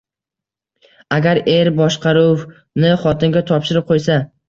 Agar er boshqaruvni xotinga topshirib qo‘ysa